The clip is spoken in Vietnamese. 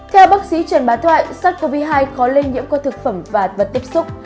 theo bác sĩ trần bá thoại sars cov hai khó lây nhiễm qua thực phẩm và vật tiếp xúc